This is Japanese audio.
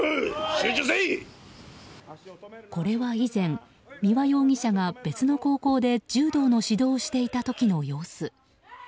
これは以前三輪容疑者が別の高校で柔道の指導をしていた時の様子。